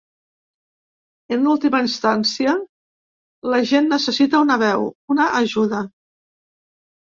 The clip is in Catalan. En última instància, la gent necessita una veu, una ajuda.